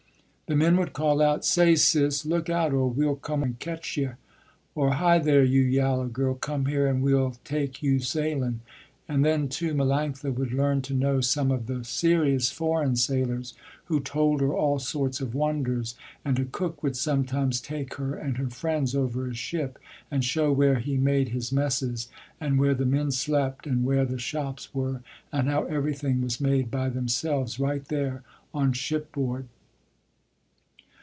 The men would call out, "Say, Sis, look out or we'll come and catch yer," or "Hi, there, you yaller girl, come here and we'll take you sailin'." And then, too, Melanctha would learn to know some of the serious foreign sailors who told her all sorts of wonders, and a cook would sometimes take her and her friends over a ship and show where he made his messes and where the men slept, and where the shops were, and how everything was made by themselves, right there, on ship board.